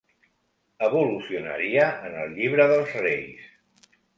Evolucionaria en el Llibre dels Reis.